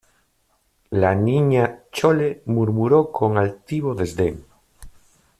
la Niña Chole murmuró con altivo desdén: